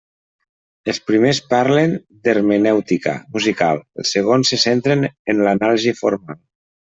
Els primers parlen d'hermenèutica musical; els segons se centren en l'anàlisi formal.